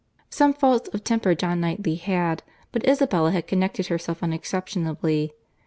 —Some faults of temper John Knightley had; but Isabella had connected herself unexceptionably.